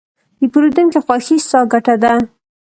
د پیرودونکي خوښي، ستا ګټه ده.